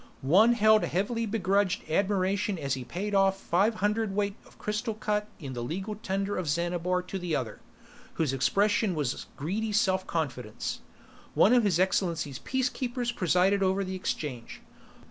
One held heavily begrudged admiration as he paid off five hundredweight of crystal cut in the legal tender of Xanabar to the other, whose expression was greedy self confidence. One of His Excellency's Peacekeepers presided over the exchange.